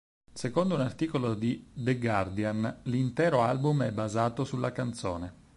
Secondo un articolo di "The Guardian", l'intero album è basato sulla canzone.